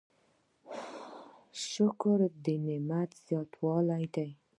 شکر د نعمت زیاتوالی دی؟